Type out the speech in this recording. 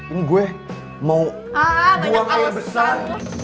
ini gue mau ah buang air besar